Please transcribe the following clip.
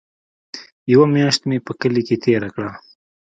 يوه مياشت مې په کلي کښې تېره کړه.